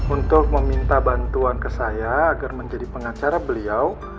untuk meminta bantuan ke saya agar menjadi pengacara beliau